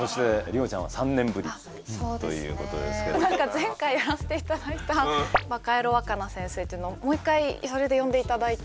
前回やらせていただいた「バカヤロわかな先生」っていうのをもう一回それで呼んでいただいて。